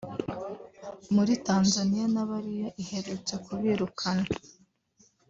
Muri Tanzaniya n’abariyo iherutse kubirukana